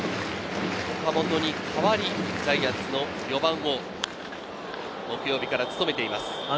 岡本に代わりジャイアンツの４番を木曜日から務めています。